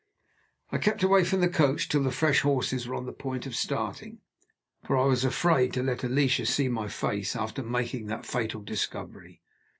I kept away from the coach till the fresh horses were on the point of starting, for I was afraid to let Alicia see my face, after making that fatal discovery.